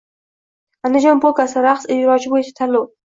“Andijon polkasi” raqsi ijrosi bo‘yicha tanlov